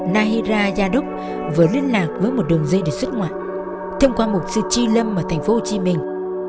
nahira yaduk vừa liên lạc với một đường dây được xuất ngoại thông qua một sư tri lâm ở thành phố hồ chí minh